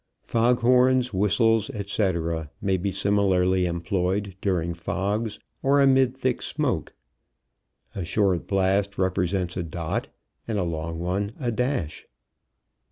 Fog horns, whistles, etc., may be similarly employed during fogs or amid thick smoke. A short blast represents a dot, and a long one a dash.